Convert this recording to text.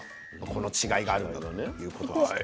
この違いがあるんだということでした。